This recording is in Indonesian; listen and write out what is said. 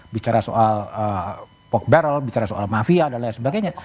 bicara soal pock barrel bicara soal mafia dan lain sebagainya